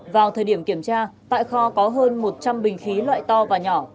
vào thời điểm kiểm tra tại kho có hơn một trăm linh bình khí loại to và nhỏ